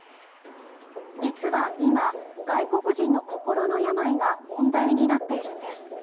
実は今、外国人の心の病が問題になっているんです。